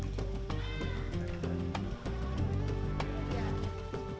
di desa banjarsari juga ada pertemuan di dalam desa